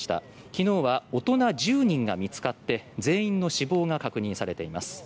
昨日は大人１０人が見つかって全員の死亡が確認されています。